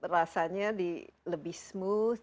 rasanya lebih smooth